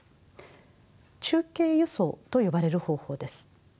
中継輸送と呼ばれる方法です。